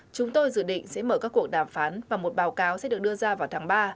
chúng tôi dự định sẽ mở các cuộc đàm phán và một báo cáo sẽ được đưa ra vào tháng ba